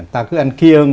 ta cứ ăn kia